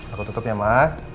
aku tutup ya mah